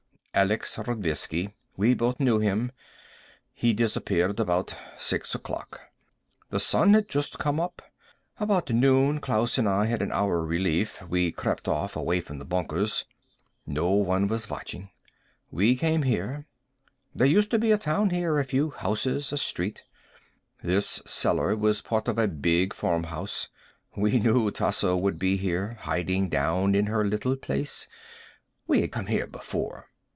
"Alex Radrivsky. We both knew him. He disappeared about six o'clock. The sun had just come up. About noon Klaus and I had an hour relief. We crept off, away from the bunkers. No one was watching. We came here. There used to be a town here, a few houses, a street. This cellar was part of a big farmhouse. We knew Tasso would be here, hiding down in her little place. We had come here before.